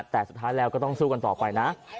แต่สุดท้ายแล้วก็ต้องสู้กันต่อไปนะ